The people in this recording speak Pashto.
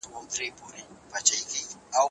زده کوونکي له مودې هڅه کوي.